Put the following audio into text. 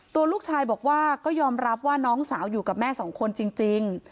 ตัวลูกชายบอกว่าก็ยอมรับว่าน้องสาวอยู่กับแม่สองคนจริง